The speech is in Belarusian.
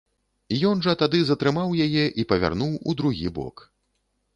Ён жа тады затрымаў яе і павярнуў у другі бок.